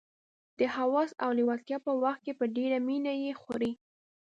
د هوس او لېوالتیا په وخت کې په ډېره مینه یې خوري.